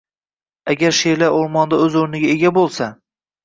Agar sherlar o‘rmonda o‘z o‘rniga ega bo‘lsa